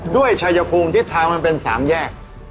ด้วยชัยภูมิที่ทางมันเป็นสามแยก